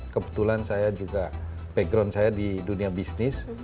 kebetulan saya juga background saya di dunia bisnis